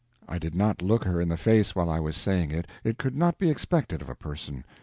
I did not look her in the face while I was saying it; it could not be expected of a person.